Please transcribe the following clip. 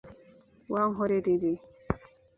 Wankorera ibi?